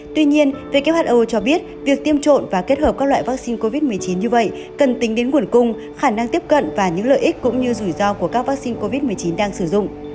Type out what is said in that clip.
tuy nhiên who cho biết việc tiêm trộn và kết hợp các loại vaccine covid một mươi chín như vậy cần tính đến nguồn cung khả năng tiếp cận và những lợi ích cũng như rủi ro của các vaccine covid một mươi chín đang sử dụng